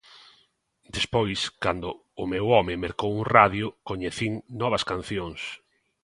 Despois, cando o meu home mercou un radio, coñecín novas cancións.